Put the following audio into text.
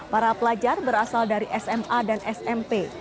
para pelajar berasal dari sma dan smp